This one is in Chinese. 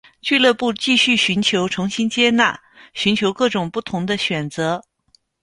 俱乐部继续寻求重新接纳，寻求各种不同的选择。